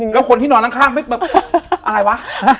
แล้วคนที่นอนข้างแบบอะไรวะ